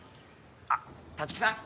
あっ立木さん？